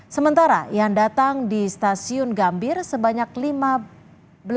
sementara yang diperkirakan di jakarta penumpang yang kembali ke jakarta melalui stasiun pasar senin